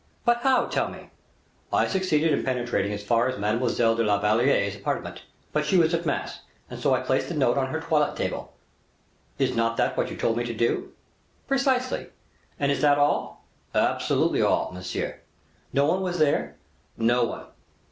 "But how, tell me?" "I succeeded in penetrating as far as Mademoiselle de la Valliere's apartment; but she was at mass, and so I placed the note on her toilette table. Is not that what you told me to do?" "Precisely; and is that all?" "Absolutely all, monseigneur." "No one was there?" "No one."